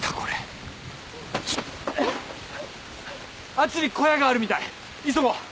あっちに小屋があるみたい急ごう！